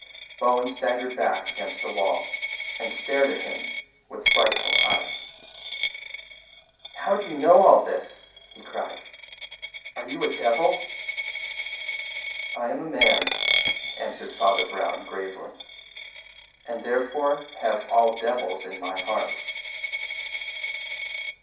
Bohun staggered back against the wall, and stared at him with frightful eyes. "How do you know all this?" he cried. "Are you a devil?" "I am a man," answered Father Brown gravely; "and therefore have all devils in my heart.